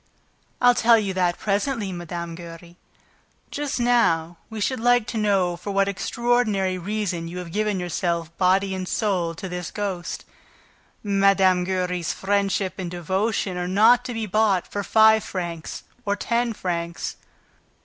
"I'll tell you that presently, Mme. Giry. Just now we should like to know for what extraordinary reason you have given yourself body and soul, to this ghost ... Mme. Giry's friendship and devotion are not to be bought for five francs or ten francs."